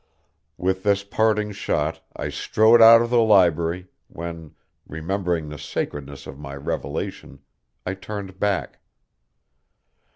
With this parting shot I strode out of the library, when, remembering the sacredness of my revelation, I turned back.